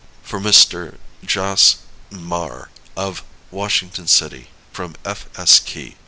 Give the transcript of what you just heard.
For Mr. Jas. Maher, of Washington City, from F.S. Key.